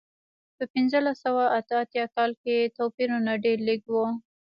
په پنځلس سوه اته اتیا کال کې توپیرونه ډېر لږ و.